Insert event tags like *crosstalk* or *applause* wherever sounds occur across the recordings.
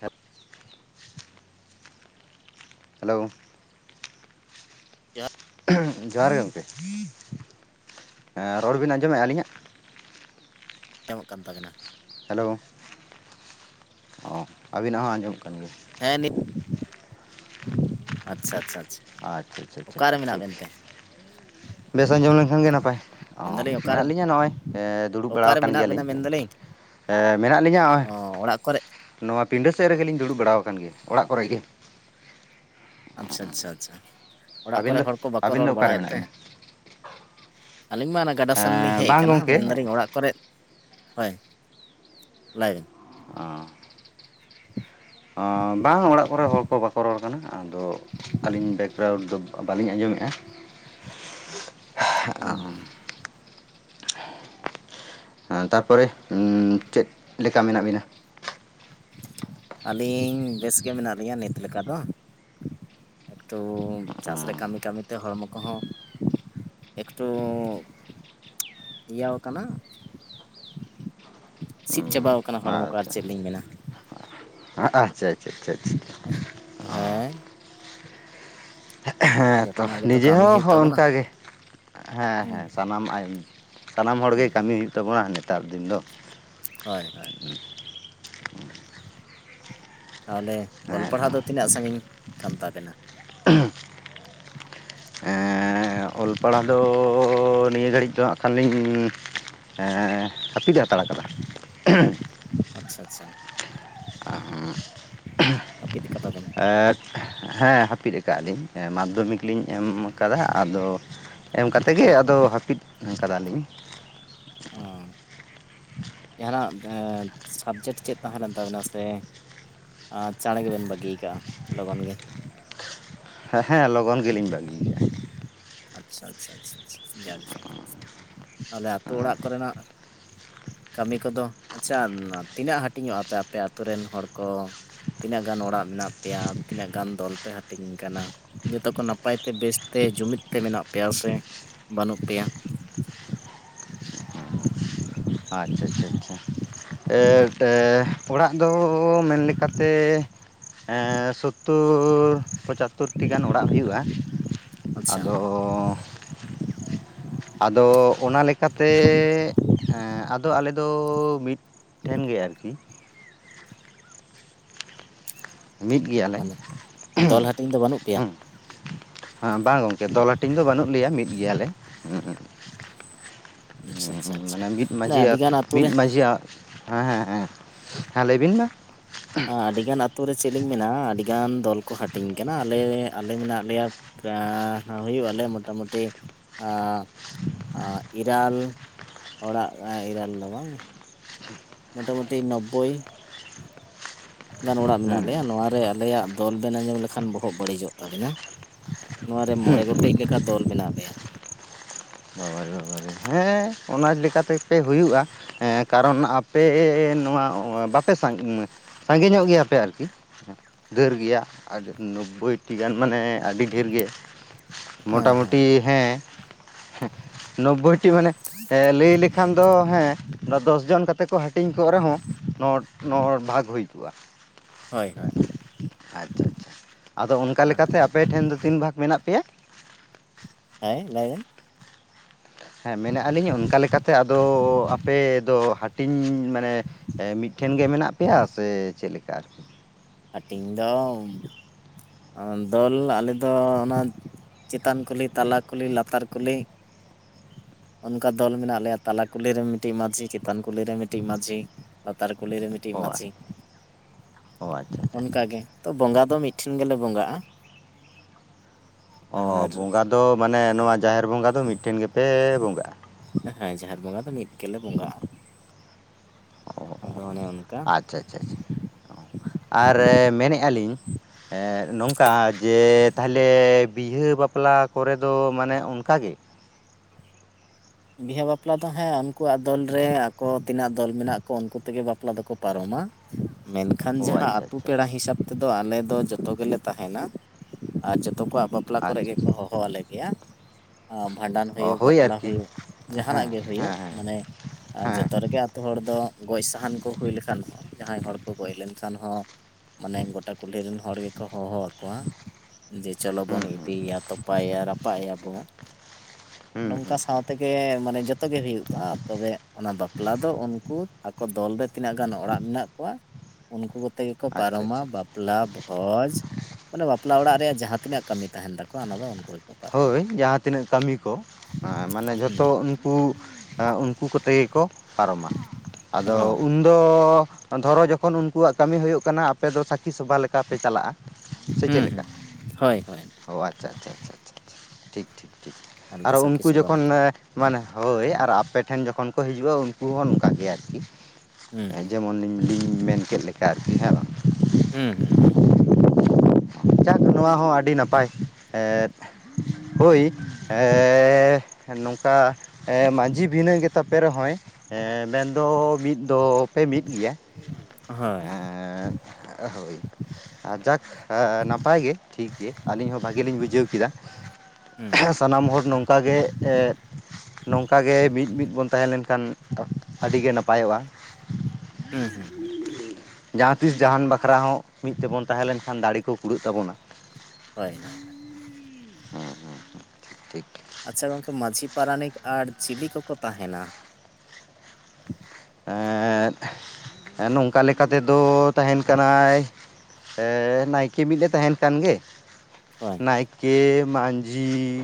ᱦᱮᱯ᱾ *unintelligible* Hello ᱡᱚᱦᱟᱼᱼ ᱡᱚᱦᱟᱨ ᱜᱮ ᱜᱚᱢᱠᱮ᱾ ᱮᱸ ᱨᱚᱲ ᱵᱤᱱ ᱟᱸᱡᱚᱢᱮᱜ-ᱟ ᱟᱹᱞᱤᱧᱟᱜ? ᱟᱡᱚᱢᱚᱜ ᱠᱟᱱ ᱛᱟᱵᱤᱱᱟ᱾ ᱦᱮᱞᱳ! ᱚ, ᱟᱹᱵᱤᱱᱟᱜ ᱦᱚᱸ ᱟᱸᱡᱚᱢᱚᱜ ᱠᱟᱱ ᱜᱮᱭᱟ᱾ ᱦᱮᱸ ᱱᱤᱜ *inaudible* ᱟᱪᱪᱷᱟ ᱟᱪᱪᱷᱟ ᱟᱪᱷ ᱟᱪᱪᱷᱟ ᱟᱪᱪᱷᱟ ᱪᱷᱟ ᱪᱷᱟ ᱴᱷᱤᱠ᱾ ᱵᱮᱥ ᱟᱸᱡᱚᱢ ᱞᱮᱱᱠᱷᱟᱱ ᱜᱮ ᱱᱟᱯᱟᱭ᱾ ᱚᱻ ᱢᱮᱱᱫᱟᱞᱤᱧ ᱚᱠᱟᱨᱮ ᱢᱮᱱᱟᱜ ᱞᱤᱧᱟᱹ ᱱᱚᱜ-ᱚᱭ ᱫᱩᱲᱩᱵ ᱵᱟᱲᱟ ᱚᱠᱟᱨᱮ ᱟᱠᱟᱱ ᱢᱮᱱᱟᱜ ᱜᱮᱭᱟᱞᱤᱧ᱾ ᱵᱮᱱᱟ ᱢᱮᱱᱫᱟᱞᱤᱧ ᱦᱮᱸ ᱢᱮᱱᱟᱜ ᱞᱤᱧᱟᱹᱟ ᱚ ᱚᱲᱟᱜ ᱠᱚᱨᱮ ᱦᱚᱜ-ᱚᱭ᱾ ᱱᱚᱣᱟ ᱯᱤᱸᱰᱟᱹ ᱥᱮᱫ ᱨᱮᱜᱮᱞᱤᱧ ᱫᱩᱲᱩᱵ ᱵᱟᱲᱟ ᱟᱠᱟᱱ ᱜᱮ, ᱚᱲᱟᱜ ᱠᱚᱨᱮ ᱜᱮ᱾ ᱟᱪᱪᱷᱟ ᱟᱪᱪᱷᱟ ᱟᱪᱪᱷᱟ, ᱚᱲᱟᱜ ᱟᱹᱵᱤᱱ ᱠᱚᱨᱮ ᱫᱚ ᱦᱚᱲ ᱠᱚ ᱵᱟᱠᱚ ᱟᱹᱵᱤᱱ ᱫᱚ ᱨᱚᱲ ᱚᱠᱟᱨᱮ ᱵᱟᱲᱟᱭᱮᱫ ᱢᱮᱱᱟᱜ ᱛᱮ? ᱵᱤᱱᱟ ᱟᱹᱞᱤᱧ ᱢᱟ ᱚᱱᱟ ᱜᱟᱰᱟ ᱥᱮᱱ ᱞᱤᱧ ᱦᱮᱡ ᱵᱟᱝ ᱟᱠᱟᱱᱟ ᱜᱚᱢᱠᱮ ᱢᱮᱱᱫᱟᱞᱤᱧ ᱚᱲᱟᱜᱼᱼ *inaudible* ᱦᱳᱭ ᱞᱟᱹᱭᱵᱮᱱ ᱚ ᱵᱟᱝ ᱚᱲᱟᱜ ᱠᱚᱨᱮ ᱦᱚᱲ ᱠᱚ ᱵᱟᱠᱚ ᱨᱚᱲ ᱠᱟᱱᱟ ᱟᱫᱚ, ᱟᱹᱞᱤᱧ ᱵᱮᱠᱜᱨᱟᱣᱩᱱᱰ ᱫᱚ ᱵᱟᱹᱞᱤᱧ ᱟᱸᱡᱚᱢᱮᱜ-ᱟ᱾ ᱦᱩᱸ ᱦᱩᱸ ᱦᱮᱸ ᱛᱟᱯᱚᱨᱮ ᱪᱮᱫ ᱞᱮᱠᱟ ᱢᱮᱱᱟᱜ ᱵᱤᱱᱟ᱾ ᱟᱹᱞᱤᱧ ᱵᱮᱥ ᱜᱮ ᱢᱮᱱᱟᱜ ᱞᱤᱧᱟ ᱱᱤᱛ ᱞᱮᱠᱟ ᱫᱚ᱾ ᱮᱠᱴᱩ ᱪᱟᱥ ᱨᱮ ᱠᱟᱢᱤ ᱠᱟᱢᱤᱛᱮ ᱦᱚᱲᱢᱚ ᱠᱚᱦᱚᱸ᱾ ᱮᱠᱴᱩ ᱤᱭᱟᱣ ᱠᱟᱱᱟ᱾ ᱥᱤᱫᱽ ᱪᱟᱵᱟᱣ ᱠᱟᱱᱟ ᱦᱚᱲᱢᱚ ᱠᱚ ᱟᱨ ᱪᱮᱜ ᱞᱤᱧ ᱢᱮᱱᱟ᱾ ᱟ ᱟ-ᱪᱪᱷᱟ ᱪᱷᱟ ᱪᱷᱟ ᱪᱷᱟ᱾ ᱦᱮᱸ᱾ ᱦᱮᱸ ᱛᱚ ᱡᱚᱛᱚᱱᱟᱜ ᱜᱮᱛᱚ ᱱᱤᱡᱮ ᱠᱟᱹᱢᱤ ᱦᱚᱸ ᱦᱩᱭᱩᱜ ᱦᱚᱸ ᱛᱟᱵᱚᱱᱟ ᱚᱱᱠᱟᱜᱮ᱾ ᱦᱮᱸ ᱦᱩᱸ ᱦᱮᱸ ᱥᱟᱱᱟᱢ ᱟᱭ ᱥᱟᱱᱟᱢ ᱦᱚᱲᱜᱮ ᱦᱩᱸ ᱠᱟᱢᱤ ᱦᱩᱭᱩᱜ ᱛᱟᱵᱚᱱᱟ ᱱᱮᱛᱟᱨ ᱫᱤᱱ ᱫᱚ᱾ ᱦᱚᱭ ᱦᱚᱭ᱾ ᱛᱟᱦᱞᱮ ᱚᱞ ᱦᱮᱸ ᱯᱟᱲᱦᱟᱣ ᱛᱚ ᱫᱚ ᱛᱤᱱᱟᱹᱜ ᱥᱟᱸᱜᱤᱧ ᱠᱟᱱ ᱛᱟᱵᱮᱱᱟ᱾ ᱚᱞ ᱯᱟᱲᱦᱟᱣ ᱫᱚᱻ ᱱᱤᱭᱟᱹ ᱜᱷᱟᱸᱲᱤᱡ ᱫᱚ ᱦᱟᱸᱜ ᱠᱷᱟᱱᱞᱤᱧ᱾ ᱮᱸ ᱦᱟᱯᱤᱫ ᱦᱟᱛᱟᱲ ᱠᱟᱫᱟ᱾ ᱟᱪᱪᱷᱟ ᱟᱪᱷᱟ ᱦᱟᱯᱤᱫ ᱠᱟᱫᱟ ᱵᱤᱱ᱾ ᱮᱸᱫ ᱦᱮᱸ ᱦᱟᱯᱤᱫ ᱠᱟᱜ-ᱟ ᱞᱤᱧ ᱢᱟᱫᱽᱫᱷᱚᱢᱤᱠ ᱞᱤᱧ ᱮᱢ ᱠᱟᱫᱟ ᱟᱫᱚ᱾ ᱮᱢ ᱠᱟᱛᱮ ᱜᱮ ᱟᱫᱚ ᱦᱟᱯᱤᱫ ᱠᱟᱫᱟᱞᱤᱧ᱾ *inaudible* ᱡᱟᱸᱦᱟᱱᱟᱜ ᱥᱟᱵᱡᱮᱴ ᱪᱮᱫ ᱛᱟᱸᱦᱮ ᱞᱮᱱ ᱛᱟᱵᱮᱱᱟ ᱥᱮ᱾ ᱟᱸ ᱪᱟᱸᱬ ᱜᱮᱵᱮᱱ ᱵᱟᱜᱤ ᱠᱟᱜ-ᱟ ᱞᱚᱜᱚᱱ ᱜᱮ᱾ ᱦᱮᱸ ᱦᱮᱸ ᱞᱚᱜᱚᱱ ᱜᱮᱞᱤᱧ ᱵᱟᱜᱤ ᱠᱟᱜ-ᱟ᱾ ᱟᱪ-ᱪᱷᱟ ᱟᱪᱪᱷᱟ ᱟᱪᱪᱷᱟ ᱡᱟᱠᱜᱮ ᱛᱟᱦᱞᱮ ᱟᱛᱳ ᱚᱲᱟᱜ ᱠᱚᱨᱮᱱᱟᱜ᱾ ᱠᱟᱢᱤ ᱠᱚᱫᱚ ᱟᱪᱪᱷᱟ ᱛᱤᱱᱟᱹᱜ ᱦᱟᱴᱤᱧᱚᱜ-ᱟ ᱯᱮ ᱟᱯᱮ ᱟᱛᱩ ᱨᱮᱱ ᱦᱚᱲ ᱠᱚ᱾ ᱛᱤᱱᱟᱹᱜ ᱜᱟᱱ ᱚᱲᱟᱜ ᱢᱮᱱᱟᱜ ᱯᱮᱭᱟ ᱛᱤᱱᱟᱹᱜ ᱜᱟᱱ ᱫᱚᱞ ᱯᱮ ᱦᱟᱴᱤᱧ ᱠᱟᱱᱟ᱾ ᱡᱚᱛᱚ ᱠᱚ ᱱᱟᱯᱟᱭᱛᱮ ᱵᱮᱥᱛᱮ ᱡᱩᱢᱤᱫ ᱛᱮ ᱢᱮᱱᱟᱜ ᱯᱮᱭᱟ ᱥᱮ ᱵᱟᱱᱩᱜ ᱯᱮᱭᱟ᱾ ᱟᱪ-ᱪᱷᱟ ᱪᱷᱟ ᱪᱷᱟ ᱮᱸ ᱴᱮ ᱚᱲᱟᱜ ᱫᱚ ᱢᱮᱱ ᱞᱮᱠᱟᱛᱮ ᱮᱸ ᱥᱩᱛ ᱛᱳᱨ ᱯᱚᱸᱪᱟᱛᱛᱳᱨᱴᱤ ᱜᱟᱱ ᱚᱲᱟᱜ ᱦᱩᱭᱩᱜ-ᱟ ᱟᱪᱪᱷᱟ ᱟᱫᱚ᱾ ᱟᱫᱚ ᱚᱱᱟ ᱞᱮᱠᱟᱛᱮ ᱮᱸ ᱟᱫᱚ ᱟᱞᱮᱫᱚ ᱢᱤᱫ᱾ ᱴᱷᱮᱱ ᱜᱮ ᱟᱨᱠᱤ᱾ ᱢᱤᱫ ᱜᱮᱭᱟᱞᱮ᱾ ᱢᱟᱱᱮ ᱫᱚᱞ ᱦᱟᱴᱤᱧ ᱫᱚ ᱵᱟᱱᱩᱜ ᱯᱮᱭᱟ᱾ ᱦᱮᱸ ᱵᱟ ᱜᱚᱝᱠᱮ ᱫᱚᱞ ᱦᱟᱴᱤᱧ ᱫᱚ ᱵᱟᱱᱩᱜ ᱞᱮᱭᱟ ᱢᱤᱫ ᱜᱮᱭᱟᱞᱮ᱾ ᱟᱪ-ᱪᱷᱟ ᱪᱷᱟ᱾ ᱢᱟᱱᱮ ᱢᱤᱫ ᱢᱟᱡᱷᱤ ᱟᱨ ᱢᱤᱫ ᱢᱟᱡᱷᱤ ᱭᱟᱜ ᱦᱮᱸ ᱦᱮᱸ ᱦᱮᱸ ᱦᱮᱸ ᱞᱟᱹᱭ ᱵᱤᱱ ᱢᱟ᱾ ᱟᱰᱤᱜᱟᱱ ᱟᱛᱳ ᱨᱮ ᱪᱮᱜ ᱞᱤᱧ ᱢᱮᱱᱟ ᱟᱰᱤᱜᱟᱱ ᱫᱚᱞ ᱠᱚ ᱦᱟᱴᱤᱧ ᱠᱟᱱᱟ ᱟᱞᱮ ᱟᱞᱮ ᱢᱮᱱᱟᱜ ᱞᱮᱭᱟ᱾ ᱯᱨᱟ ᱦᱩᱭᱩᱜ ᱟᱞᱮ ᱢᱳᱴᱟᱢᱩᱴᱤ ᱟᱸ᱾ ᱟᱸ ᱤᱨᱟᱞ ᱚᱲᱟᱜ ᱤᱨᱟᱞ ᱫᱚ ᱵᱟᱝ᱾ ᱢᱳᱴᱟ ᱢᱩᱴᱤ ᱱᱚᱵᱵᱳᱭ᱾ *inaudible* ᱜᱟᱱ ᱚᱲᱟᱜ ᱢᱮᱱᱟᱜ ᱦᱩᱸ ᱞᱮᱭᱟ ᱱᱚᱣᱟ ᱨᱮ ᱟᱞᱮᱭᱟᱜ ᱫᱚᱞ ᱵᱮᱱ ᱟᱸᱡᱚᱢ ᱞᱮᱠᱷᱟᱱ ᱵᱚᱦᱚᱜ ᱵᱟᱹᱲᱤᱡᱚᱜ ᱛᱟᱵᱮᱱᱟ᱾ ᱱᱚᱣᱟ ᱨᱮ ᱢᱚᱬᱮ ᱜᱚᱴᱮᱡ ᱞᱮᱠᱟ ᱫᱚᱞ ᱢᱮᱱᱟᱜ ᱞᱮᱭᱟ᱾ ᱵᱟᱵᱟᱨᱮ ᱵᱟᱵᱟᱨᱮ ᱦᱮᱸ᱾ ᱚᱱᱟᱡ ᱞᱮᱠᱟᱛᱮ ᱯᱮ ᱦᱩᱭᱩᱜ-ᱟ᱾ ᱮᱻ ᱠᱟᱨᱚᱱ ᱟᱯᱮ ᱱᱚᱣᱟ ᱵᱟᱯᱮ ᱥᱟ ᱥᱟᱸᱜᱤ ᱧᱚᱜ ᱜᱮᱭᱟᱯᱮ ᱟᱨᱠᱤ᱾ ᱰᱷᱟᱹᱨ ᱜᱮᱭᱟ ᱟᱰᱤ ᱱᱳᱵᱽᱵᱳᱭᱴᱤ ᱜᱟᱱ ᱢᱟᱱᱮ ᱟᱰᱤ ᱰᱷᱮᱨ ᱜᱮ᱾ ᱦᱮᱸ ᱢᱚᱴᱟᱢᱩᱴᱤ ᱦᱮᱸ ᱱᱚᱵᱽᱵᱳᱭᱴᱤ ᱢᱟᱱᱮ ᱮ ᱞᱟᱹᱭ ᱞᱮᱠᱷᱟᱱ ᱫᱚ ᱦᱮᱸ ᱱᱚ ᱫᱚᱥ ᱡᱚᱱ ᱠᱟᱛᱮ ᱠᱚ ᱦᱟᱹᱴᱤᱧ ᱠᱚᱜ ᱨᱮᱦᱚᱸ ᱱᱚ ᱱᱚ ᱵᱷᱟᱜᱽ ᱦᱩᱭ ᱠᱚᱜ-ᱟ᱾ ᱦᱳᱭ ᱦᱳᱭ ᱟᱪᱪᱷᱟ ᱟᱪᱪᱷᱟ ᱟᱫᱚ ᱚᱱᱠᱟ ᱞᱮᱠᱟᱛᱮ ᱟᱯᱮᱴᱷᱮᱱ ᱫᱚ ᱛᱤᱱ ᱵᱷᱟᱜᱽ ᱢᱮᱱᱟᱜ ᱯᱮᱭᱟ? ᱦᱮᱸ ᱞᱟᱹᱭᱵᱮᱱ ᱦᱮᱸ ᱢᱮᱱᱮ ᱟᱞᱤᱧ ᱚᱱᱠᱟ ᱞᱮᱠᱟᱛᱮ ᱟᱫᱚ ᱟᱯᱮ ᱫᱚ ᱦᱟᱴᱤᱧ ᱢᱟᱱᱮ ᱢᱤᱫᱴᱷᱮᱱ ᱜᱮ ᱢᱮᱱᱟᱜ ᱯᱮᱭᱟ ᱥᱮ ᱪᱮᱫ ᱞᱮᱠᱟ ᱟᱨᱠᱤ? ᱦᱟᱴᱤᱧ ᱫᱚ ᱫᱚᱞ ᱟᱞᱮ ᱫᱚ ᱚᱱᱟ ᱪᱮᱛᱟᱱ ᱠᱩᱞᱦᱤ ᱛᱟᱞᱟ ᱠᱩᱞᱦᱤ ᱞᱟᱛᱟᱨ ᱠᱩᱞᱦᱤ ᱚᱱᱠᱟ ᱫᱚᱞ ᱢᱮᱱᱟᱜ ᱞᱮᱭᱟ ᱛᱟᱞᱟ ᱠᱩᱞᱦᱤ ᱨᱮᱱ ᱢᱤᱫᱴᱤᱡ ᱢᱟᱺᱡᱷᱤ, ᱪᱮᱛᱟᱱ ᱠᱩᱞᱦᱤ ᱨᱮᱱ ᱢᱤᱫᱴᱤᱡ ᱢᱟᱺᱡᱷᱤ ᱞᱟᱛᱟᱨ ᱠᱩᱞᱦᱤᱨᱮ ᱢᱤᱫᱴᱤᱡ ᱚ ᱢᱟᱺᱡᱷᱤ ᱚ ᱟᱪᱪᱷᱟ ᱟᱪᱪᱷᱟ ᱟᱪᱪᱷᱟ ᱚᱱᱠᱟᱜᱮ ᱟᱪᱪᱷᱟ ᱛᱚ ᱵᱚᱸᱜᱟ ᱫᱚ ᱢᱤᱫᱴᱷᱮ ᱜᱮᱞᱮ ᱵᱚᱸᱜᱟᱜᱼᱟ᱾ ᱟᱨ ᱵᱚᱸᱜᱟᱫᱚ ᱢᱟᱱᱮ ᱱᱚᱣᱟ ᱡᱟᱦᱮᱨ ᱵᱚᱸᱜᱟᱫᱚ ᱢᱤᱫᱴᱷᱮᱱ ᱜᱮᱯᱮ ᱵᱚᱸᱜᱟ ᱟ᱾ ᱦᱮᱸ ᱡᱟᱦᱮᱨ ᱵᱚᱸᱜᱟ ᱫᱚ ᱢᱤᱫ ᱜᱮᱞᱮ ᱵᱚᱸᱜᱟ ᱟ᱾ ᱚ ᱟᱫᱚ ᱚᱱᱮ ᱟᱪᱪᱷᱟ ᱚᱱ ᱟᱪᱪᱷᱟ ᱟᱪᱷᱟ ᱪᱷᱟ ᱟᱨ ᱢᱮᱱᱮ ᱟᱞᱤᱧ ᱮ ᱱᱚᱝ ᱠᱟ ᱡᱮ ᱛᱟᱦᱤᱞᱮ ᱵᱤᱦᱟᱹ ᱵᱟᱯᱞᱟ ᱠᱚᱨᱮ ᱫᱚ ᱢᱟᱱᱮ ᱚᱱᱠᱟᱜᱮ᱾ ᱵᱤᱦᱟᱹ ᱵᱟᱯᱞᱟ ᱫᱚ ᱦᱮᱸ ᱩᱱᱠᱩᱣᱟᱜ ᱫᱚᱞ ᱨᱮ ᱟᱠᱚ ᱛᱤᱱᱟᱹᱜ ᱫᱚᱞ ᱢᱮᱱᱟᱜ ᱠᱚ ᱩᱱᱠᱩ ᱛᱮᱜᱮ ᱵᱟᱯᱞᱟ ᱫᱚᱠᱚ ᱯᱟᱨᱚᱢᱟ ᱢᱮᱱᱠᱷᱟᱱ ᱚ ᱡᱟᱦᱟᱸ ᱟᱪᱪᱷᱟ ᱟᱹᱛᱩ ᱟᱪᱪᱷᱟ ᱯᱮᱲᱟ ᱦᱤᱥᱟᱹᱵ ᱛᱮᱫᱚ ᱟᱞᱮᱚ ᱡᱚᱛᱚ ᱜᱮᱞᱮ ᱛᱟᱦᱮᱱᱟ ᱟᱨ ᱡᱚᱛᱚ ᱠᱚᱣᱟᱜ ᱵᱟᱯᱞᱟ ᱠᱚᱨᱮ ᱟᱪᱪᱷᱟ ᱜᱮᱠᱚ ᱟᱪᱪᱷᱟ ᱦᱚ ᱦᱚ ᱟᱞᱮ ᱜᱮᱭᱟ ᱟ ᱵᱷᱟᱸᱰᱟᱱ ᱚ ᱦᱩᱭᱩᱜ, ᱦᱳᱭ ᱵᱟᱯᱞᱟ ᱟᱨᱠᱤ ᱦᱩᱭᱩᱜ ᱦᱮᱸ ᱡᱟᱦᱟᱸᱱᱟᱜ ᱜᱮ ᱦᱩᱭᱩᱜ ᱦᱮᱸ ᱦᱮᱸ ᱢᱟᱱᱮ ᱟᱨ ᱦᱮᱸ ᱡᱚᱛᱚ ᱨᱮᱜᱮ ᱟᱛᱳ ᱦᱚᱲ ᱫᱚ ᱜᱚᱡ ᱥᱟᱦᱟᱱ ᱠᱚ ᱦᱩᱭ ᱞᱮᱠᱷᱟᱱ ᱦᱚᱸ ᱡᱟᱸᱦᱟᱭ ᱦᱚᱲ ᱠᱚ ᱜᱚᱡ ᱞᱮᱱᱠᱷᱟᱱ ᱦᱚᱸ ᱢᱟᱱᱮ ᱜᱚᱴᱟ ᱠᱩᱞᱦᱤ ᱨᱮᱱ ᱦᱚᱲ ᱜᱮᱠᱚ ᱦᱚᱦᱚ ᱟᱠᱚᱣᱟ᱾ ᱡᱮ ᱪᱚᱞᱚ ᱦᱩᱸ ᱵᱚᱱ ᱦᱩᱸ ᱤᱫᱤᱭ ᱭᱟ ᱛᱚᱯᱟᱭᱟ ᱨᱟᱯᱟᱜ ᱮᱭᱟ ᱵᱚᱱ᱾ ᱦᱩᱸ ᱚᱱᱠᱟ ᱦᱩᱸ ᱥᱟᱶ ᱛᱮᱜᱮ ᱢᱟᱱᱮ ᱡᱚᱛᱚ ᱜᱮ ᱦᱩᱭᱩᱜ-ᱟ ᱛᱚᱵᱮ ᱚᱱᱟ ᱵᱟᱯᱞᱟ ᱫᱚ ᱩᱱᱠᱩ ᱟᱠᱚ ᱫᱚᱞ ᱨᱮ ᱛᱤᱱᱟᱜ ᱜᱟᱱ ᱚᱲᱟᱜ ᱢᱮᱱᱟᱜ ᱠᱚᱣᱟ ᱩᱱᱠᱩ ᱠᱚᱛᱮ ᱜᱮᱠᱚ ᱟᱪᱪᱷᱟ ᱯᱟᱨᱚᱢᱟ ᱟᱪᱪᱷᱟ ᱟᱪᱪᱷᱟ ᱵᱟᱯᱞᱟ ᱵᱷᱚᱡᱽ ᱢᱟᱱᱮ ᱵᱟᱯᱞᱟ ᱚᱲᱟᱜ ᱨᱮᱭᱟᱜ ᱡᱟᱸᱦᱟ ᱛᱤᱱᱟᱜ ᱠᱟᱹᱢᱤ ᱛᱟᱦᱮᱱ ᱛᱟᱠᱚᱣᱟ ᱚᱱᱟᱫᱚ ᱩᱱᱠᱩ ᱜᱮ ᱯᱟᱨᱚᱢᱟ᱾ ᱦᱳᱭ ᱡᱟᱦᱟᱸ ᱛᱤᱱᱟᱹᱜ ᱠᱟᱢᱤ ᱠᱚ ᱢᱟᱱᱮ ᱦᱩᱸ ᱡᱷᱚᱛᱚ ᱩᱱᱠᱩ ᱩᱱᱠᱩ ᱠᱚᱛᱮ ᱜᱮ ᱠᱚ ᱯᱟᱨᱚᱢᱟ ᱦᱳᱭ ᱟᱫᱚ ᱩᱱ ᱫᱚ ᱫᱷᱚᱨᱚ ᱡᱚᱠᱷᱚᱱ ᱩᱱᱠᱩᱣᱟᱜ ᱠᱟᱢᱤ ᱦᱩᱭᱳᱜ ᱠᱟᱱᱟ ᱟᱯᱮ ᱫᱚ ᱥᱟᱠᱷᱤ ᱥᱚᱵᱷᱟ ᱞᱮᱠᱟᱯᱮ ᱪᱟᱞᱟᱜ-ᱟ᱾ ᱥᱮ ᱪᱮᱫ ᱞᱮᱠᱟ ᱦᱩᱸ ᱦᱳᱭ ᱦᱳᱭ ᱚ ᱟᱪᱪᱷᱟ ᱟᱪᱪᱷᱟ ᱴᱷᱤᱠ ᱴᱷᱤᱠ ᱟᱞᱮ ᱫᱚ ᱟᱨᱚ ᱥᱟᱹᱠᱷᱤ ᱩᱱᱠᱩ ᱥᱚᱵᱷᱟ ᱡᱚᱠᱷᱚᱱ ᱞᱮᱠᱟ ᱮ ᱢᱟᱱᱮ ᱦᱳᱭ ᱟᱨ ᱟᱯᱮ ᱴᱷᱮᱱ ᱡᱚᱠᱷᱚᱱ ᱠᱚ ᱦᱤᱡᱩᱜ-ᱟ ᱩᱱᱠᱩ ᱦᱚᱸ ᱱᱚᱝᱠᱟ ᱜᱮ ᱟᱨᱠᱤ ᱦᱩᱸ ᱡᱮᱢᱚᱱ ᱞᱤᱧ ᱞᱤᱧ ᱢᱮᱱ ᱠᱮᱫ ᱞᱮᱠᱟ ᱟᱨᱠᱤ ᱦᱮᱸ ᱵᱟᱝ᱾ ᱦᱩᱸ ᱦᱩᱸ ᱦᱩᱸ ᱡᱟᱠ ᱱᱚᱣᱟ ᱦᱚᱸ ᱟᱰᱤ ᱱᱟᱯᱟᱭ ᱮ ᱦᱳᱭ ᱮᱻ ᱱᱚᱝᱠᱟ ᱮ ᱢᱟᱺᱡᱷᱤ ᱵᱷᱤᱱᱟᱹ ᱜᱮ ᱛᱟᱯᱮ ᱨᱮᱸᱦᱚᱭ ᱢᱮᱱᱫᱚ ᱢᱤᱫ ᱫᱚ ᱯᱮ ᱢᱤᱫ ᱜᱮᱭᱟ᱾ ᱦᱳᱭ ᱦᱳᱭ ᱟᱨ ᱡᱟᱠ ᱱᱟᱯᱟᱭ ᱜᱮ ᱴᱷᱤᱠ ᱜᱮ ᱟᱞᱤᱧ ᱦᱚᱸ ᱵᱷᱟᱜᱤ ᱞᱤᱧ ᱵᱩᱡᱷᱟᱹᱣ ᱠᱮᱫᱟ᱾ ᱦᱩᱸ ᱥᱟᱱᱟᱢ ᱦᱚᱲ ᱱᱚᱝᱠᱟ ᱜᱮ ᱮᱫ ᱱᱚᱝᱠᱟ ᱜᱮ ᱢᱤᱫ ᱢᱤᱫ ᱵᱚᱱ ᱛᱟᱦᱮᱸ ᱞᱮᱱᱠᱷᱟᱱ ᱟᱹᱰᱤ ᱜᱮ ᱱᱟᱯᱟᱭᱚᱜᱼᱟ᱾ ᱦᱩᱸ ᱦᱩᱸ ᱦᱩᱸ᱾ ᱡᱟᱦᱟᱸ ᱛᱤᱥ ᱡᱟᱦᱟᱱ ᱵᱟᱠᱷᱨᱟ ᱦᱚᱸ ᱢᱤᱫ ᱛᱮᱵᱚᱱ ᱛᱟᱦᱮᱸ ᱞᱮᱱᱠᱷᱟᱱ ᱫᱟᱲᱮ ᱠᱚ ᱠᱩᱲᱟᱹᱜ ᱛᱟᱵᱚᱱᱟ᱾ ᱦᱳᱭ ᱦᱳᱭ ᱦᱳᱭ᱾ ᱴᱷᱤᱠ᱾ ᱟᱪᱪᱷᱟ ᱜᱚᱝᱠᱮ ᱢᱟᱺᱡᱷᱤ ᱯᱟᱨᱟᱱᱤᱠ ᱟᱨ ᱪᱤᱞᱤ ᱠᱚᱠᱚ ᱛᱟᱦᱮᱱᱟ? ᱮᱸᱫ ᱱᱚᱝᱠᱟ ᱞᱮᱠᱟ ᱛᱮᱫᱚ ᱛᱟᱦᱮᱱ ᱠᱟᱱᱟᱭ ᱱᱟᱭᱠᱮ ᱢᱤᱫ-ᱮ ᱛᱟᱦᱮᱱ ᱠᱟᱱ ᱜᱮ᱾ ᱦᱳᱭ᱾ ᱱᱟᱭᱠᱮ ᱢᱟᱹᱡᱷᱤ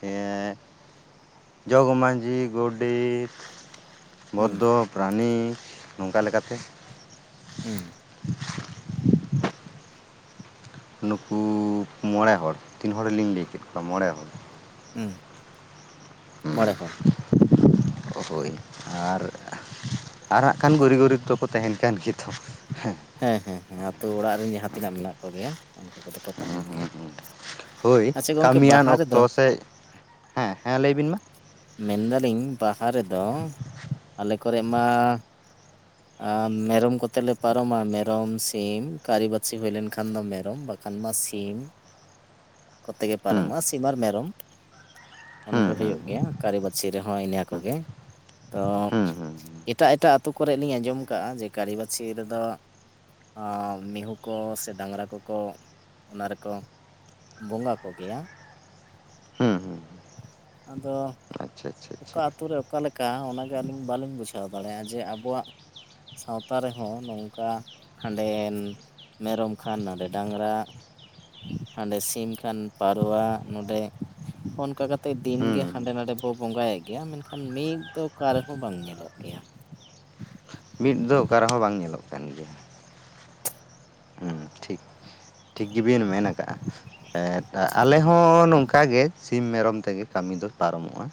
ᱮᱸ ᱡᱚᱜᱽ ᱢᱟᱺᱡᱷᱤ, ᱜᱚᱰᱮᱛ, ᱦᱩᱸ ᱵᱷᱚᱫᱫᱚ ᱯᱟᱨᱟᱱᱤᱠ ᱱᱚᱝᱠᱟ ᱞᱮᱠᱟᱛᱮ ᱦᱮᱸ ᱱᱩᱠᱩ ᱢᱚᱬᱮ ᱦᱚᱲ, ᱛᱤᱱ ᱦᱚᱲᱞᱤᱧ ᱞᱟᱹᱭ ᱠᱮᱫ ᱠᱚᱣᱟ ᱢᱚᱬᱮ ᱦᱚᱲ᱾ ᱦᱩᱸ ᱢᱚᱬᱮ ᱦᱚᱲ᱾ ᱦᱳᱭ ᱟᱨ, ᱟᱨ ᱦᱟᱸᱜ ᱠᱷᱟᱱ ᱜᱩᱨᱤᱼ ᱜᱩᱨᱤᱵ ᱫᱚ ᱠᱚ ᱛᱟᱦᱮᱱ ᱠᱟᱱ ᱜᱮᱭᱟ ᱛᱚ᱾ ᱦᱮᱸ ᱦᱮᱸ ᱦᱮᱸ ᱟᱹᱛᱩ ᱚᱲᱟᱜ ᱨᱮᱱ ᱡᱟᱦᱟᱸ ᱛᱤᱱᱟᱹᱜ ᱢᱮᱱᱟᱜ ᱠᱚᱜᱮᱭᱟ ᱩᱱᱠᱩ ᱠᱚᱫᱚ ᱛᱟᱦᱮᱱ ᱜᱮᱭᱟ᱾ ᱦᱳᱭ ᱟᱪᱪᱷᱟ ᱜᱚᱝᱠᱮ ᱠᱟᱹᱢᱤᱭᱟᱱ ᱵᱟᱦᱟ ᱚᱠᱛᱚ ᱨᱮᱫᱚ ᱥᱮ, ᱦᱮᱸ ᱦᱮᱸ ᱞᱟᱹᱭᱵᱤᱱ ᱢᱟ᱾ ᱢᱮᱱ ᱫᱟᱞᱤᱧ ᱵᱟᱦᱟ ᱨᱮᱫᱚ ᱟᱞᱮ ᱠᱚᱨᱮᱜ ᱢᱟ ᱟ ᱢᱮᱨᱚᱢ ᱠᱚᱛᱮ ᱞᱮ ᱯᱟ ᱨᱚᱢᱟ ᱢᱮᱨᱚᱢ, ᱥᱤᱢ ᱠᱟᱹᱨᱤ ᱵᱟᱛᱥᱤ ᱦᱩᱭ ᱞᱮᱱᱠᱷᱟᱱ ᱫᱚ ᱢᱮᱨᱚᱢ ᱵᱟᱠᱷᱟᱱ ᱢᱟ ᱥᱤᱢ᱾ ᱠᱚᱛᱮ ᱜᱮ ᱦᱩᱸ ᱯᱟᱨᱚᱢᱚᱜᱼᱟ ᱥᱤᱢ ᱟᱨ ᱢᱮᱨᱚᱢ ᱚᱱᱟ ᱦᱩᱸ ᱫᱚ ᱦᱩᱸ ᱦᱩᱭᱩᱜ ᱜᱮᱭᱟ, ᱠᱟᱹᱨᱤ ᱵᱟᱛᱥᱤ ᱨᱮᱦᱚᱸ ᱤᱱᱟᱹ ᱦᱩᱸ ᱠᱚᱜᱮ, ᱛᱚ ᱦᱩᱸ ᱦᱩᱸ ᱮᱴᱟᱜ ᱮᱴᱟᱜ ᱟᱹᱛᱩ‌ ᱠᱚᱨᱮᱫ ᱞᱤᱧ ᱟᱸᱡᱚᱢ ᱠᱟᱜᱼᱟ ᱡᱮ ᱠᱟᱹᱨᱤ ᱵᱟᱹᱪᱷᱥᱤ ᱨᱮ ᱫᱚ ᱚᱸ ᱢᱤᱦᱩ ᱠᱚ ᱥᱮ ᱰᱟᱝᱨᱟ ᱠᱚᱠᱚ ᱚᱱᱟ ᱨᱮᱠᱚ ᱵᱚᱸᱜᱟ ᱠᱚᱜᱮᱭᱟ, ᱦᱩᱸ ᱦᱩᱸ ᱟᱫᱚ ᱟᱪᱪᱷᱟ ᱟᱪᱪᱷᱟ ᱚᱠᱟ ᱟᱪᱪᱷᱟ ᱟᱹᱛᱩ ᱨᱮ ᱚᱠᱟ ᱞᱮᱠᱟ ᱚᱱᱟᱜᱮ ᱟᱹᱞᱤᱧ ᱵᱟᱹᱞᱤᱧ ᱵᱩᱡᱷᱟᱹᱣ ᱫᱟᱲᱮᱭᱟᱜᱼᱟ ᱡᱮᱹ ᱟᱵᱚᱣᱟᱜ ᱥᱟᱶᱛᱟ ᱨᱮᱦᱚᱸ ᱱᱚᱝᱠᱟ, ᱦᱟᱸᱰᱮᱱ ᱢᱮᱨᱚᱢ ᱠᱷᱟᱱ ᱱᱟᱰᱮ ᱰᱟᱝᱨᱟ, ᱦᱟᱸᱰᱮ ᱥᱤᱢ ᱠᱷᱟᱱ ᱯᱟᱨᱣᱟ ᱱᱚᱰᱮ ᱚᱱᱠᱟ ᱠᱟᱛᱮ ᱫᱤᱱᱜᱮ ᱦᱩᱸ ᱦᱩᱸ ᱦᱟᱸᱰᱮ ᱱᱟᱰᱮ ᱵᱚ ᱵᱚᱸᱜᱟᱭᱮᱫ ᱜᱮᱭᱟ ᱢᱮᱱᱠᱷᱟᱱ ᱢᱤᱫ ᱫᱚ ᱚᱠᱟ ᱨᱮᱦᱚᱸ ᱵᱟᱝ ᱧᱮᱞᱚᱜ ᱜᱮᱭᱟ᱾ ᱢᱤᱫ ᱫᱚ ᱚᱠᱟ ᱨᱮᱦᱚᱸ ᱵᱟᱝ ᱧᱮᱞᱚᱜ ᱠᱟᱱ ᱜᱮᱭᱟ᱾ ᱦᱩᱸ ᱴᱷᱤᱠ ᱴᱷᱤᱠ ᱜᱮᱵᱤᱱ ᱢᱮᱱ ᱟᱠᱟᱫᱼᱟ, ᱮᱸᱫ ᱟᱞᱮ ᱦᱚᱸ ᱱᱚᱝᱠᱟ ᱜᱮ, ᱥᱤᱢ ᱢᱮᱨᱚᱢ ᱛᱮᱜᱮ ᱠᱟᱹᱢᱤ ᱫᱚ ᱯᱟᱨᱚᱢᱚᱜᱼᱟ᱾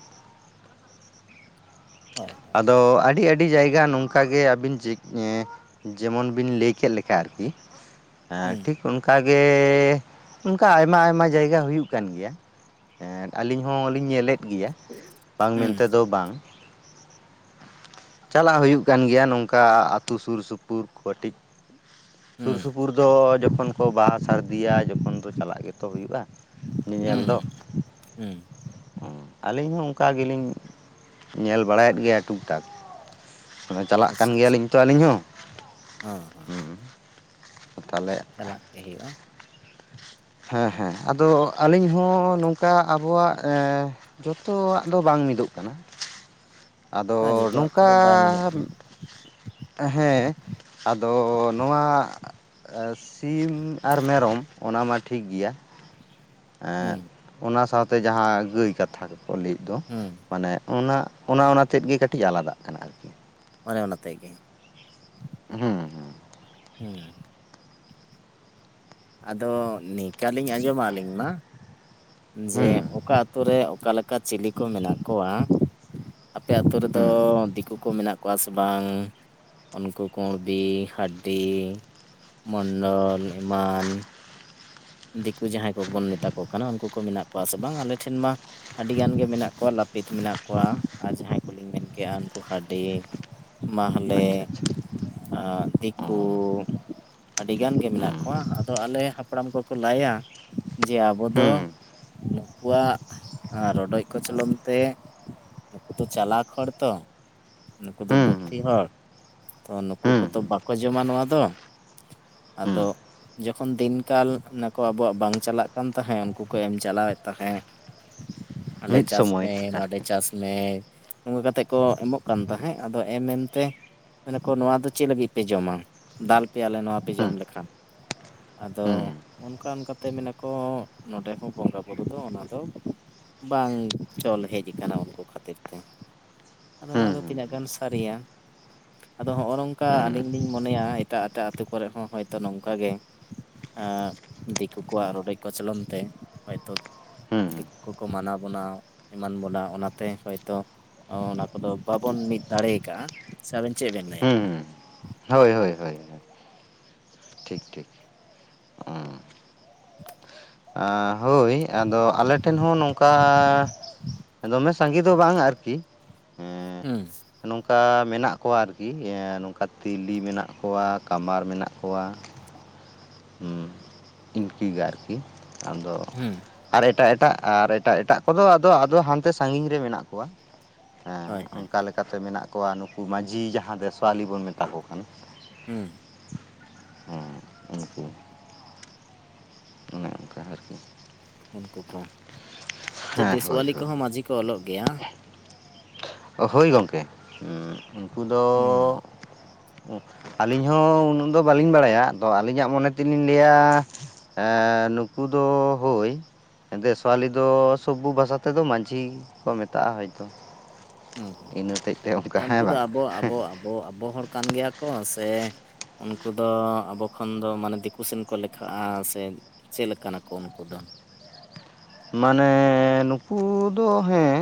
ᱦᱳᱭ᱾ ᱦᱳᱭ ᱟᱫᱚ ᱟᱹᱰᱤ ᱟᱹᱰᱤ ᱡᱟᱭᱜᱟ ᱱᱚᱝᱠᱟᱜᱮ ᱟᱹᱵᱤᱱ ᱪᱮᱫ ᱮᱸ ᱡᱮᱢᱚᱱ ᱵᱤᱱ ᱞᱟᱹᱭ ᱠᱮᱫ ᱞᱮᱠᱟ ᱟᱹᱨᱠᱤ ᱮᱸ ᱦᱩᱸ ᱴᱷᱤᱠ ᱚᱱᱠᱟ ᱜᱮ, ᱚᱱᱠᱟ ᱟᱭᱢᱟ ᱟᱭᱢᱟ ᱡᱟᱭᱜᱟ ᱦᱩᱭᱩᱜ ᱠᱟᱱ ᱜᱮᱭᱟ᱾ ᱮᱸᱫ ᱟᱞᱤᱧ ᱦᱚᱸᱞᱤᱧ ᱧᱮᱞᱮᱫ ᱜᱮᱭᱟ, ᱵᱟᱝ ᱦᱩᱸ ᱢᱮᱱᱛᱮ ᱫᱚ ᱵᱟᱝ᱾ ᱪᱟᱞᱟᱜ ᱦᱩᱭᱩᱜ ᱠᱟᱱ ᱜᱮᱭᱟ ᱱᱚᱝᱠᱟ ᱟᱹᱛᱩ ᱥᱩᱨ ᱥᱩᱯᱩᱨ ᱠᱚ ᱠᱟᱹᱴᱤᱡ, ᱥᱩᱨ ᱦᱩᱸ ᱥᱩᱯᱩᱨ ᱫᱚ ᱡᱚᱠᱷᱚᱱ ᱠᱚ ᱵᱟᱦᱟ ᱥᱟᱹᱨᱫᱤᱭᱟ ᱡᱚᱠᱷᱚᱱ ᱫᱚ ᱪᱟᱞᱟᱜ ᱜᱮᱛᱚ ᱦᱩᱭᱩᱜᱼᱟ᱾ ᱦᱩᱸ ᱧᱮᱧᱮᱞ ᱫᱚ ᱦᱩᱸ ᱦᱩᱸ, ᱦᱩᱸ᱾ ᱟᱹᱞᱤᱧ ᱦᱚᱸ ᱚᱱᱠᱟ ᱜᱮᱞᱤᱧ ᱧᱮᱞ ᱵᱟᱲᱟᱭᱮᱫ ᱜᱮᱭᱟ ᱴᱩᱠ ᱴᱟᱠ ᱾ ᱪᱟᱞᱟᱜ ᱠᱟᱱ ᱜᱮᱭᱟᱞᱤᱧ ᱛᱚ ᱟᱹᱞᱤᱧ ᱦᱚᱸ ᱾ ᱦᱮᱸ ᱦᱮᱸ ᱦᱮᱸ ᱛᱟᱦᱚᱞᱮ ᱪᱟᱞᱟᱜ ᱛᱮ ᱦᱩᱭᱩᱜᱼᱟ ᱾ ᱦᱮᱸ ᱦᱮᱸ ᱟᱫᱚ ᱟᱹᱞᱤᱧ ᱦᱚᱸ ᱱᱚᱝᱠᱟ ᱟᱵᱚᱣᱟᱜ ᱮᱸ ᱡᱚᱛᱚᱣᱟᱜ ᱫᱚ ᱵᱟᱝ ᱢᱤᱫᱚᱜ ᱠᱟᱱᱟ ᱟᱫᱚ ᱦᱮᱸ ᱡᱚᱛᱚᱣᱟᱜ ᱱᱚᱝᱠᱟ ᱠᱚᱫᱚ ᱵᱟᱭ ᱢᱤᱫᱚᱜ ᱜᱮᱭᱟ ᱦᱮᱸ ᱟᱫᱚ ᱱᱚᱣᱟ ᱥᱤ ᱥᱤᱢ ᱟᱨ ᱢᱮᱨᱚᱢ ᱚᱱᱟ ᱢᱟ ᱴᱷᱤᱠ ᱜᱮᱭᱟ ᱾ ᱦᱮᱸ ᱚᱱᱟ ᱥᱟᱶᱛᱮ ᱡᱟᱦᱟᱸ ᱜᱟᱹᱭ ᱠᱟᱛᱷᱟ ᱠᱚᱠᱚ ᱞᱟᱹᱭᱮᱫ ᱫᱚ ᱾ ᱦᱩᱸ ᱢᱟᱱᱮ ᱚᱱᱟ ᱚᱱᱟ ᱚᱱᱟ ᱛᱮᱫ ᱜᱮ ᱠᱟᱹᱴᱤᱡ ᱟᱞᱟᱫᱟᱜ ᱠᱟᱱᱟ ᱟᱨᱠᱤ ᱾ ᱢᱟᱱᱮ ᱚᱱᱟ ᱛᱮᱜᱮ ᱦᱩᱸ ᱦᱩᱸ ᱟᱫᱚ ᱱᱤᱝᱠᱟᱹ ᱞᱤᱧ ᱟᱸᱡᱚᱢᱟ ᱟᱹᱞᱤᱧ ᱢᱟ ᱡᱮ ᱦᱩᱸ ᱦᱩᱸ ᱚᱠᱟ ᱟᱛᱩ ᱨᱮ ᱚᱠᱟ ᱞᱮᱠᱟ ᱪᱤᱞᱤ ᱠᱚ ᱢᱮᱱᱟᱜ ᱠᱚᱣᱟ ᱾ ᱟᱯᱮ ᱟᱹᱛᱩ ᱨᱮᱫᱚ ᱦᱩᱸ ᱫᱤᱠᱩ ᱠᱩ ᱢᱮᱱᱟᱜ ᱠᱚᱣᱟ ᱥᱮ ᱵᱟᱝ ᱩᱱᱠᱩ ᱠᱩᱬᱵᱤ ᱦᱟᱰᱰᱤ ᱢᱚᱱᱰᱚᱞ ᱮᱢᱟᱱ ᱫᱤᱠᱩ ᱡᱟᱦᱟᱸᱭ ᱠᱚ ᱵᱚᱱ ᱢᱮᱛᱟ ᱠᱚ ᱠᱟᱱᱟ ᱩᱱᱠᱩ ᱠᱚ ᱢᱮᱱᱟᱜ ᱠᱚᱣᱟ ᱥᱮ ᱵᱟᱝ ᱟᱞᱮ ᱴᱷᱮᱱ ᱢᱟ ᱟᱹᱰᱤᱜᱟᱱ ᱜᱮ ᱢᱮᱱᱟᱜ ᱠᱚᱣᱟ ᱞᱟᱹᱯᱤᱛ ᱢᱮᱱᱟᱜ ᱠᱚᱣᱟ ᱟᱨ ᱡᱟᱦᱟᱸᱭ ᱠᱚᱞᱤᱧ ᱢᱮᱱ ᱠᱮᱜᱼᱟ ᱩᱱᱠᱩ ᱦᱟᱹᱰᱤ ᱟᱪᱪᱷᱟ ᱢᱟᱦᱞᱮ ᱟᱪᱪᱷᱟ ᱟᱨ ᱚ ᱫᱤᱠᱩ ᱟᱹᱰᱤ ᱜᱟᱱ ᱜᱮ ᱢᱮᱱᱟᱜ ᱦᱩᱸ ᱠᱚᱣᱟ ᱟᱫᱚ ᱟᱞᱮ ᱦᱟᱯᱲᱟᱢ ᱠᱚ ᱠᱚ ᱞᱟᱹᱭᱟ ᱡᱮ ᱟᱵᱚ ᱫᱚ ᱦᱩᱸ ᱱᱩᱠᱩᱣᱟᱜ ᱨᱚᱰᱚᱡ ᱠᱚᱪᱞᱚᱱ ᱛᱮ ᱱᱩᱠᱩ ᱫᱚ ᱪᱟᱞᱟᱠ ᱦᱚᱲ ᱛᱚ ᱱᱩᱠᱩ ᱫᱚ ᱦᱩᱸ ᱦᱩᱸ ᱵᱩᱫᱽᱫᱷᱤ ᱦᱚᱲ ᱛᱚ ᱱᱩᱠᱩ ᱠᱚᱫᱚ ᱦᱩᱸ ᱵᱟᱠᱚ ᱡᱚᱢᱟ ᱱᱚᱣᱟ ᱫᱚ ᱾ ᱦᱩᱸ ᱟᱫᱚ ᱡᱚᱠᱷᱚᱱ ᱫᱤᱱᱠᱟᱞ ᱚᱱᱟ ᱠᱚ ᱟᱵᱚᱣᱟᱜ ᱵᱟᱝ ᱪᱟᱞᱟᱜ ᱠᱟᱱ ᱛᱟᱦᱮᱸᱫ ᱩᱱᱠᱩ ᱠᱚ ᱮᱢ ᱪᱟᱞᱟᱣᱮᱫ ᱛᱟᱦᱮᱸᱜ ᱾ ᱦᱟᱸᱰᱮ ᱢᱤᱫ ᱪᱟᱥ ᱥᱚᱢᱚᱭ ᱢᱮ ᱱᱚᱰᱮ ᱟᱨᱠᱤ ᱪᱟᱥ ᱢᱮ ᱱᱚᱝᱠᱟ ᱠᱟᱛᱮᱜ ᱠᱚ ᱮᱢᱚᱜ ᱠᱟᱱ ᱛᱟᱦᱮᱸᱜ ᱟᱫᱚ ᱮᱢ ᱮᱢᱛᱮ ᱢᱮᱱᱟ ᱠᱚ ᱱᱚᱣᱟ ᱫᱚ ᱪᱮᱜ ᱞᱟᱹᱜᱤᱫ ᱯᱮ ᱡᱚᱢᱟ ᱫᱟᱞ ᱯᱮᱭᱟᱞᱮ ᱱᱚᱣᱟ ᱯᱮ ᱡᱚᱢ ᱦᱩᱸ ᱞᱮᱠᱷᱟᱱ ᱾ ᱟᱫᱚ ᱦᱩᱸ ᱚᱱᱠᱟ ᱚᱱᱠᱟᱛᱮ ᱢᱮᱱᱟᱠᱚ ᱱᱚᱸᱰᱮ ᱦᱚᱸ ᱵᱚᱸᱜᱟᱼᱵᱩᱨᱩ ᱫᱚ ᱚᱱᱟᱫᱚ ᱵᱟᱝ ᱪᱚᱞ ᱦᱮᱡ ᱟᱠᱟᱱᱟ ᱩᱱᱠᱩ ᱠᱷᱟᱹᱛᱤᱨ ᱛᱮ ᱟᱫᱚ ᱦᱩᱸ ᱱᱚᱣᱟ ᱫᱚ ᱛᱤᱱᱟᱹᱜ ᱜᱟᱱ ᱥᱟᱹᱨᱤᱭᱟ ᱟᱫᱚ ᱦᱚᱜᱼᱚᱭ ᱱᱚᱝᱠᱟ ᱦᱩᱸ ᱟᱹᱞᱤᱧ ᱞᱤᱧ ᱢᱚᱱᱮᱭᱟ ᱮᱴᱟᱜ ᱮᱴᱟᱜ ᱟᱹᱛᱩ ᱠᱚᱨᱮ ᱦᱚᱸ ᱦᱚᱭᱛᱚ ᱱᱚᱝᱠᱟ ᱜᱮ ᱟ ᱫᱤᱠᱩ ᱠᱚᱣᱟᱜ ᱨᱚᱰᱚᱡ ᱠᱚᱪᱞᱚᱱ ᱛᱮ ᱦᱚᱭᱛᱳ ᱦᱩᱸ ᱦᱩᱸ ᱫᱤᱠᱩ ᱠᱚᱠᱚ ᱢᱟᱱᱟᱣ ᱵᱚᱱᱟ ᱮᱢᱟᱱ ᱵᱚᱱᱟ ᱚᱱᱟᱛᱮ ᱦᱚᱭᱛᱳ ᱚ ᱚᱱᱟ ᱠᱚᱫᱚ ᱵᱟᱵᱚᱱ ᱢᱤᱫ ᱫᱟᱲᱮᱭ ᱟᱠᱟᱜᱼᱟ ᱥᱮ ᱟᱵᱮᱱ ᱪᱮᱫ ᱵᱮᱱ ᱞᱟᱹᱭᱟ ᱦᱩᱸ ᱦᱳᱭ ᱦᱳᱭ ᱦᱳᱭ ᱦᱳᱭ ᱴᱷᱤᱠ ᱴᱷᱤᱠ ᱚᱸ *inaudible* ᱟ ᱦᱳᱭ ᱾ ᱮ ᱟᱫᱚ ᱟᱞᱮ ᱴᱷᱮᱱ ᱦᱚᱸ ᱱᱚᱝᱠᱟ ᱫᱚᱢᱮ ᱥᱟᱸᱜᱮ ᱫᱚ ᱵᱟᱝᱼᱟ ᱟᱨᱠᱤ ᱾ ᱦᱩᱸ ᱾ ᱱᱚᱝᱼᱠᱟ ᱢᱮᱱᱟᱜ ᱠᱚᱣᱟ ᱟᱨᱠᱤ ᱱᱚᱝᱠᱟ ᱛᱤᱞᱤ ᱢᱮᱱᱟᱜ ᱠᱚᱣᱟ, ᱠᱟᱢᱟᱨ ᱢᱮᱱᱟᱜ ᱠᱚᱣᱟ ᱾ ᱦᱩᱸ ᱤᱱᱠᱤ ᱜᱮ ᱟᱨᱠᱤ ᱟᱫᱚ ᱦᱩᱸ ᱾ ᱟᱨ ᱮᱴᱟᱜ, ᱮᱴᱟᱜ ᱟᱨ ᱮᱴᱟᱜ, ᱮᱴᱟᱜ ᱠᱚᱫᱚ ᱟᱫᱚ ᱟᱫᱚ ᱦᱟᱱᱛᱮ ᱥᱟᱺᱜᱤᱧ ᱨᱮ ᱢᱮᱱᱟᱜ ᱠᱚᱣᱟ᱾ ᱦᱮᱸ ᱦᱳᱭ ᱦᱳᱭ ᱚᱱᱠᱟ ᱞᱮᱠᱟᱛᱮ ᱢᱮᱱᱟᱜ ᱠᱚᱣᱟ ᱱᱩᱠᱩ ᱢᱟᱺᱡᱷᱤ ᱡᱟᱦᱟᱸ ᱫᱚ ᱥᱳᱣᱟᱞᱤ ᱵᱚᱱ ᱢᱮᱛᱟ ᱠᱚ ᱠᱟᱱ ᱾ ᱦᱩᱸ ᱾ ᱩᱱᱠᱩ ᱚᱱᱮ ᱚᱱᱠᱟ ᱟᱨᱠᱤ ᱩᱱᱠᱩ ᱠᱚ ᱡᱮ ᱦᱮᱸ ᱦᱳᱭ ᱫᱮᱥᱣᱟᱞᱤ ᱦᱳᱭ ᱠᱚᱦᱚᱸ ᱢᱟᱺᱡᱷᱤ ᱠᱚ ᱚᱞᱚᱜ ᱜᱮᱭᱟ ᱾ ᱦᱳᱭ ᱜᱚᱢᱠᱮ ᱩᱱᱠᱩ ᱫᱚ ᱦᱩᱸ ᱟᱹᱞᱤᱧ ᱦᱚᱸ ᱩᱱᱟᱹᱜ ᱫᱚ ᱵᱟᱹᱞᱤᱧ ᱵᱟᱲᱟᱭᱟ, ᱟᱫᱚ ᱟᱹᱞᱤᱧᱟᱜ ᱢᱚᱱᱮ ᱛᱮᱞᱤᱧ ᱞᱟ. ᱭᱟ ᱮᱸ ᱱᱩᱠᱩ ᱫᱚ ᱦᱳᱭ ᱾ ᱫᱮᱥᱣᱟᱞᱤ ᱫᱚ ᱥᱚᱵᱚᱵᱷᱚ ᱵᱷᱟᱥᱟ ᱛᱮᱫᱚ ᱢᱟᱺᱡᱷᱤ ᱠᱚ ᱢᱮᱛᱟᱜᱼᱟ ᱦᱚᱭᱛᱚ ᱾ ᱦᱩᱸ ᱦᱩᱸ ᱦᱩᱸ ᱩᱱᱠᱩ ᱦᱮᱸ ᱫᱚ ᱵᱟᱝ ᱟᱵᱚ ᱟᱵᱚ ᱟᱵᱚ ᱟᱵᱚ ᱦᱚᱲ ᱠᱟᱱ ᱜᱮᱭᱟ ᱠᱚ ᱥᱮ ᱩᱱᱠᱩ ᱫᱚ ᱟᱵᱚ ᱠᱷᱚᱱ ᱫᱚ ᱢᱟᱱᱮ ᱫᱤᱠᱩ ᱥᱮᱱ ᱠᱚ ᱞᱮᱠᱷᱟᱜᱼᱟ ᱥᱮ ᱪᱮᱫ ᱞᱮᱠᱟ ᱱᱟᱠᱚ ᱩᱱᱠᱩ ᱫᱚ ᱾ ᱢᱟᱱᱮ ᱱᱩᱠᱩ ᱫᱚ ᱦᱮᱸ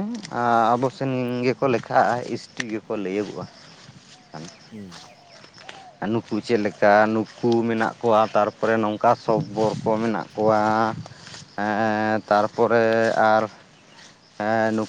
ᱟᱵᱚ ᱥᱮᱱ ᱜᱮᱠᱚ ᱞᱮᱠᱷᱟᱜᱼᱟ ᱤᱥ ᱴᱤ ᱜᱮ ᱾ ᱠᱚ ᱞᱟᱹᱭᱟᱹᱜᱚᱜᱼᱟ ᱾ ᱦᱩᱸ ᱾ ᱱᱩᱠᱩ ᱪᱮᱫ ᱞᱮᱠᱟ ᱱᱩᱠᱩ ᱢᱮᱱᱟᱜ ᱠᱚᱣᱟ, ᱛᱟᱨᱯᱚᱨᱮ ᱱᱚᱝᱠᱟ ᱥᱚᱵᱵᱚᱨ ᱠᱚ ᱢᱮᱱᱟᱜ ᱠᱚᱣᱟ ᱾ ᱮᱸ ᱛᱟᱨᱯᱚᱨᱮ ᱟᱨ ᱮ ᱱᱩᱠᱩ